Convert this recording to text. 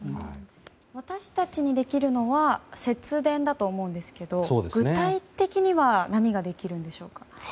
私たちにできるのは節電だと思うんですけど具体的には何ができるんでしょうか。